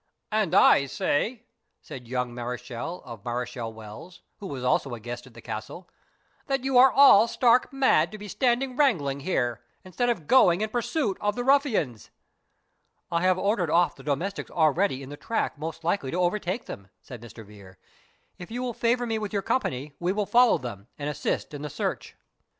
"And I say," said young Mareschal of Mareschal Wells, who was also a guest at the castle, "that you are all stark mad to be standing wrangling here, instead of going in pursuit of the ruffians." "I have ordered off the domestics already in the track most likely to overtake them," said Mr. Vere "if you will favour me with your company, we will follow them, and assist in the search."